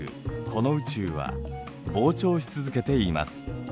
この宇宙は膨張し続けています。